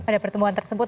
pada pertemuan tersebut